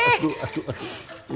aduh aduh aduh